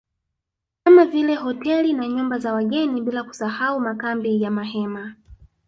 Kama vile hoteli na nyumba za wageni bila kusahau makambi ya mahema